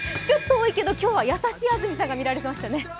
ちょっと多いけど今日は優しい安住さんが見られましたね。